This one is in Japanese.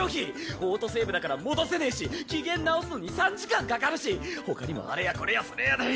オートセーブだから戻せねぇし機嫌直すのに３時間かかるしほかにもあれやこれやそれやで。